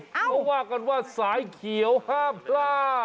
เขาว่ากันว่าสายเขียวห้ามพลาด